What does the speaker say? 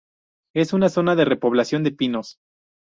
Es una zona de repoblación de pinos.